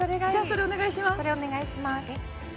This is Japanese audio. それお願いします